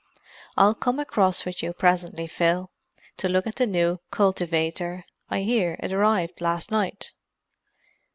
"I'll come across with you presently, Phil, to look at the new cultivator: I hear it arrived last night."